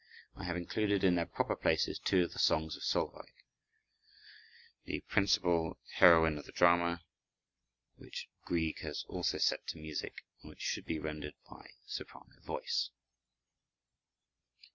I have included in their proper places two of the songs of Solveig, the principal heroine of the drama, which Grieg has also set to music and which should be rendered by soprano voice.